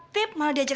siapa bubuk kok